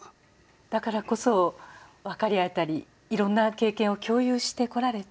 だからこそ分かり合えたりいろんな経験を共有してこられた。